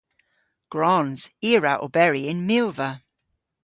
Gwrons. I a wra oberi yn milva.